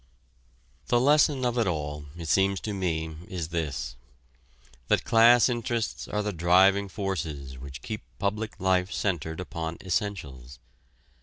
The lesson of it all, it seems to me, is this: that class interests are the driving forces which keep public life centered upon essentials.